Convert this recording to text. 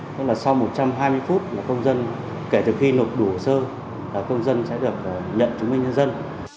tức là sau một trăm hai mươi phút là công dân kể từ khi lục đủ sơ là công dân sẽ được nhận chứng minh nhân dân